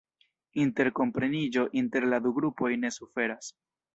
Interkompreniĝo inter la du grupoj ne suferas.